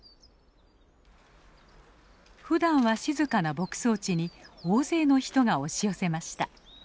ふだんは静かな牧草地に大勢の人が押し寄せました。